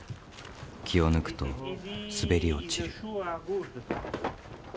気を抜くと滑り落ちる。